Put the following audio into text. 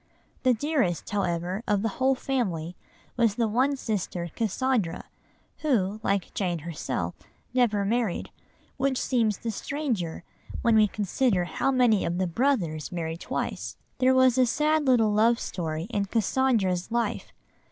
The dearest, however, of the whole family was the one sister Cassandra, who, like Jane herself, never married, which seems the stranger when we consider how many of the brothers married twice. There was a sad little love story in Cassandra's life.